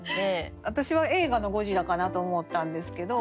私は映画の「ゴジラ」かなと思ったんですけど。